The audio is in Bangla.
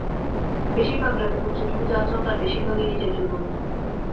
বেশি পাগলাটে হচ্ছে, তুমি যা চাও তার বেশিরভাগই নিজের জন্য না।